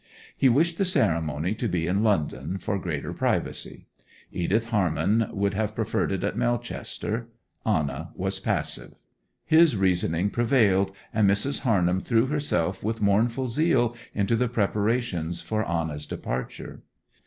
He wished the ceremony to be in London, for greater privacy. Edith Harnham would have preferred it at Melchester; Anna was passive. His reasoning prevailed, and Mrs. Harnham threw herself with mournful zeal into the preparations for Anna's departure.